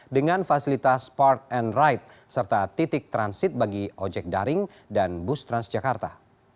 dengan fasilitas park and ride serta titik transit bagi ojek daring dan bus transjakarta